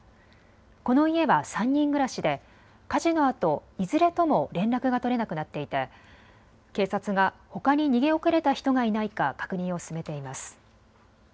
この家は３人暮らしで火事のあといずれとも連絡が取れなくなっていて警察がほかに逃げ遅れた人がいないか確認を進めています。